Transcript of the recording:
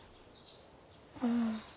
うん。